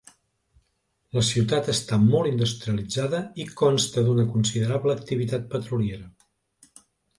La ciutat està molt industrialitzada i consta d'una considerable activitat petroliera.